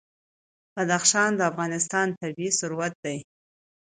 بدخشان د افغانستان طبعي ثروت دی.